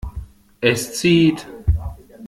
Es zieht.